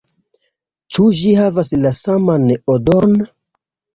Ĉu ĝi havas la saman odoron?